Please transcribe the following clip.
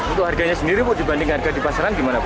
untuk harganya sendiri dibanding harga di pasaran gimana